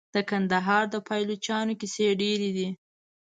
د کندهار د پایلوچانو کیسې ډیرې دي.